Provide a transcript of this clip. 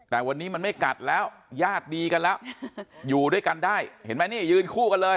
แต่วันนี้มันไม่กัดแล้วญาติดีกันแล้วอยู่ด้วยกันได้เห็นไหมนี่ยืนคู่กันเลย